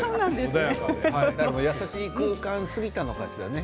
優しい空間すぎたのかもしれませんね。